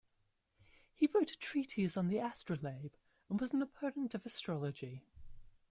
He wrote a treatise on the astrolabe and was an opponent of astrology.